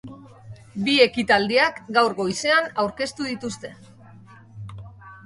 Bi ekitaldiak gaur goizean aurkeztu dituzte.